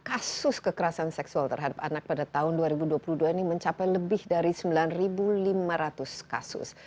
kasus kekerasan seksual terhadap anak pada tahun dua ribu dua puluh dua ini mencapai lebih dari sembilan lima ratus kasus